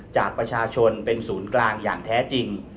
จากประชาชนเป็นศูนย์กลางอย่างแท้จริง